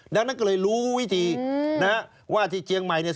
ดังนั้นก็เลยรู้วิธีนะฮะว่าที่เจียงใหม่เนี่ย